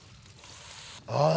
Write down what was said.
ああ！